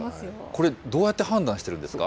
これ、どうやって判断してるんですか？